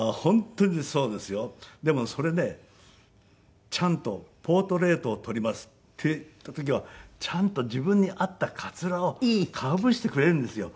でもそれねちゃんとポートレートを撮りますっていった時はちゃんと自分に合ったカツラをかぶせてくれるんですよ。